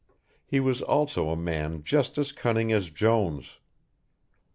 He was also a man just as cunning as Jones.